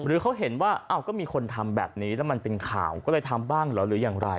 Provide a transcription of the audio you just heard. หรือเขาเห็นว่าอ้าวก็มีคนทำแบบนี้แล้วมันเป็นข่าวก็เลยทำบ้างเหรอหรืออย่างไร